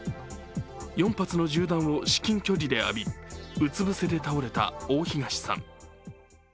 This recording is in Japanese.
４発の銃弾を至近距離で浴び、うつ伏せで倒れた大東さん。